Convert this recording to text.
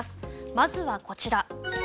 まずはこちら。